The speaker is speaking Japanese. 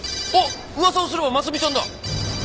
噂をすれば真澄ちゃんだ。